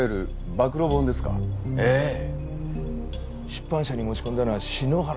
出版社に持ち込んだのは篠原です。